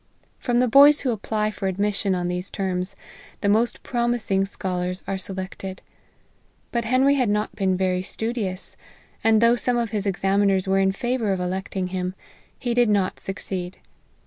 From the boys who apply for ad mission on these terms, the most promising scholars are selected ; but Henry had not been very studious, and, though some of his examiners were in favour of electing him, he did not succeed.